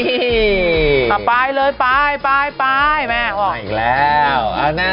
นะไปเลยไปว่ะแม่